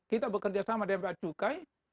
kita bekerja sama dengan cukai